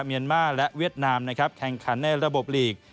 เมียนมาร์และเวียดนามแข่งขันในระบบหลีก